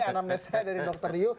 alhamdulillah saya dari dr ryu